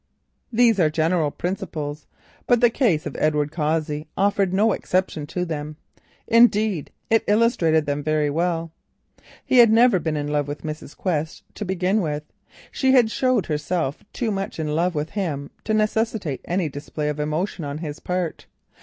These are general principles, but the case of Edward Cossey offered no exception to them, indeed it illustrated them well. He had never been in love with Mrs. Quest; to begin with she had shown herself too much in love with him to necessitate any display of emotion on his part.